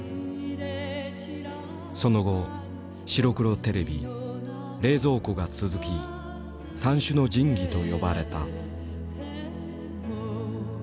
その後白黒テレビ冷蔵庫が続き「三種の神器」と呼ばれた。